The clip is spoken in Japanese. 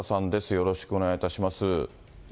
よろしくお願いします。